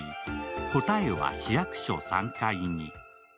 「答えは市役所３階に」。